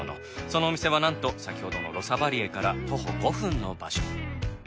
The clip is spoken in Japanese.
そのお店はなんと先ほどのロサ・バリエから徒歩５分の場所。